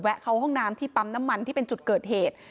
เข้าห้องน้ำที่ปั๊มน้ำมันที่เป็นจุดเกิดเหตุ